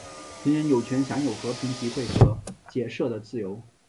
人人有权享有和平集会和结社的自由。